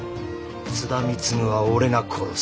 津田貢は俺が殺す。